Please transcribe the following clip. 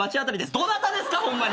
どなたですかホンマに！